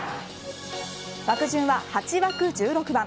枠順は８枠１６番。